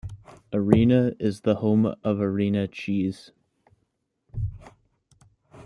Arena is the home of Arena Cheese.